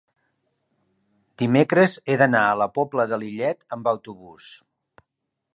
dimecres he d'anar a la Pobla de Lillet amb autobús.